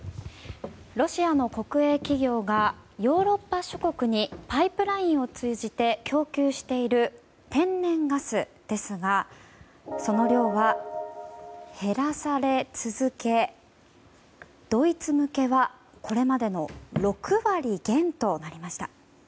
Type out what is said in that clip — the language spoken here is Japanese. ロシアの国営企業がヨーロッパ諸国にパイプラインを通じて供給している天然ガスですがその量は減らされ続けドイツ向けはこれまでの６割減となりました。